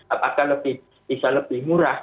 apakah bisa lebih murah